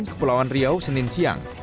kepulauan riau senin siang